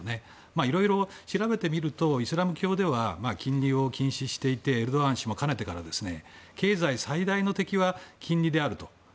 いろいろ調べてみるとイスラム教では金利を禁止していてエルドアン大統領は経済最大の敵は金利であると。